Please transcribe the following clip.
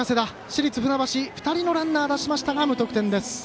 市立船橋、２人のランナー出しましたが無得点。